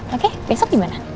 oke besok dimana